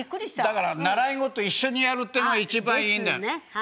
だから習い事一緒にやるっていうのが一番いいんだ。